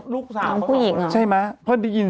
ลูกสาวของผู้หญิง